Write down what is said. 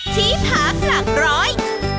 ที่พักหลักร้อย